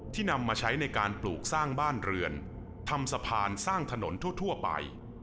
นำมาใช้ในการปลูกสร้างบ้านเรือนทำสะพานสร้างถนนทั่วไป